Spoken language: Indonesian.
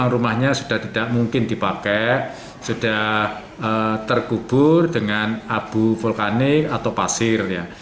rumahnya sudah tidak mungkin dipakai sudah terkubur dengan abu vulkanik atau pasir